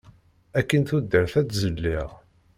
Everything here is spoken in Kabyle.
Akkin tudert ad tt-zelliɣ.